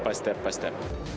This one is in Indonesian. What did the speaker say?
pada saat itu